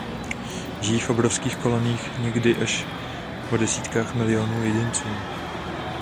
Žijí v obrovských koloniích někdy až o desítkách miliónů jedinců.